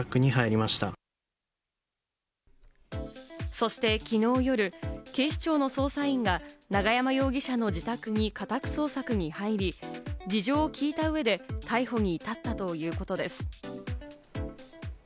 そしてきのう夜、警視庁の捜査員が永山容疑者の自宅に家宅捜索に入り、事情を聞いた上で逮捕に至ったということです。